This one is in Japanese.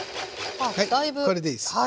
はいこれでいいです。